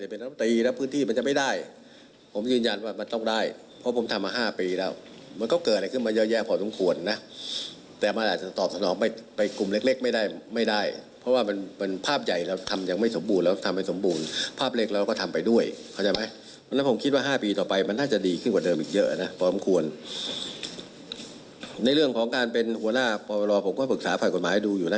ในเรื่องของการเป็นหัวหน้าปรบรอบผมก็ปรึกษาภัยกฎหมายให้ดูอยู่นะ